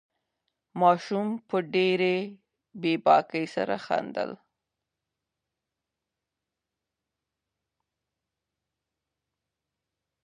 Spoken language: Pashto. ماشوم په ډېرې بې باکۍ سره خندل.